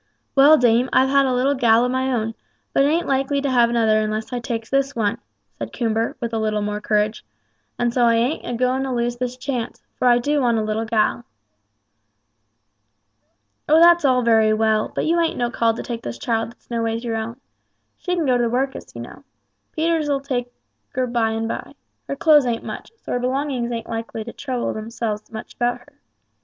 "Well, dame, I've had a little gal o' my own, but ain't likely to have another unless I takes this one," said Coomber, with a little more courage, "and so I ain't a going to lose this chance; for I do want a little gal." "Oh, that's all very well; but you ain't no call to take this child that's no ways your own. She can go to the workus, you know. Peters'll take her by and by. Her clothes ain't much, so her belongings ain't likely to trouble themselves much about her.